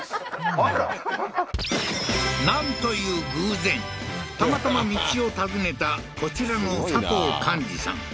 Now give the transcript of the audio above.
あらなんという偶然たまたま道を尋ねたこちらの佐藤完二さん